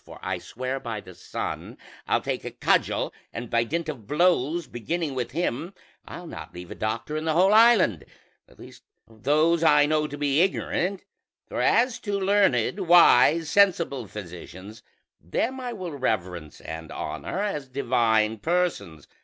or I swear by the sun I'll take a cudgel, and by dint of blows, beginning with him, I'll not leave a doctor in the whole island: at least of those I know to be ignorant; for as to learned, wise, sensible physicians, them I will reverence and honor as divine persons.